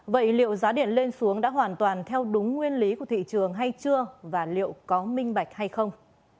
vậy liệu giá điện lên xuống đã hoàn toàn theo đúng nguyên lý của thị trường hay chưa và liệu có minh bạch hay không